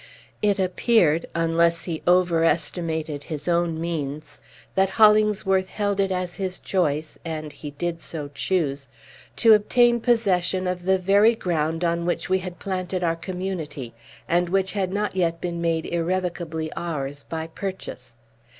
It appeared, unless he overestimated his own means, that Hollingsworth held it at his choice (and he did so choose) to obtain possession of the very ground on which we had planted our Community, and which had not yet been made irrevocably ours, by purchase.